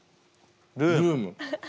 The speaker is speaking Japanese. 「ルーム」。